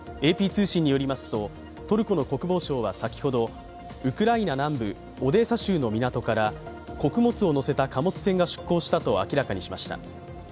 ＡＰ通信によりますと、トルコの国防省は先ほど、ウクライナ南部オデーサ州の港から、穀物を載せた貨物船が出港したと明らかにしました。